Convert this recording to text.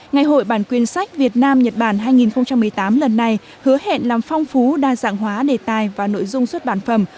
ngày hội bản quyền sách việt nam nhật bản hai nghìn một mươi tám lần này hứa hẹn làm phong phú đa dạng hóa đề tài và nội dung xuất bản phẩm